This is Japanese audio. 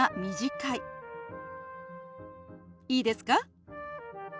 いいですか？